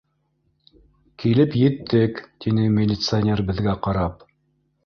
— Килеп еттек, — тине милиционер беҙгә ҡарап.